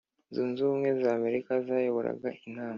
zunze ubumwe z'amerika zayoboraga inama